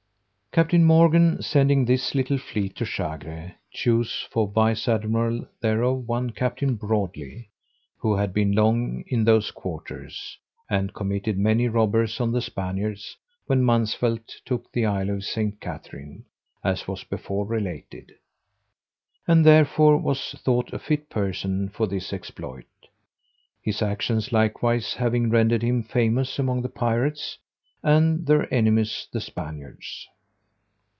_ CAPTAIN MORGAN sending this little fleet to Chagre, chose for vice admiral thereof one Captain Brodely, who had been long in those quarters, and committed many robberies on the Spaniards, when Mansvelt took the isle of St. Catherine, as was before related; and therefore was thought a fit person for this exploit, his actions likewise having rendered him famous among the pirates, and their enemies the Spaniards.